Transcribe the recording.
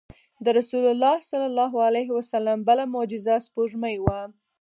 د رسول الله صلی الله علیه وسلم بله معجزه سپوږمۍ وه.